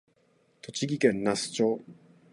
栃木県那須町